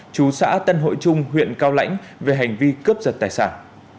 chú xã tân hội trung huyện cao lãnh về hành vi cướp giật tài sản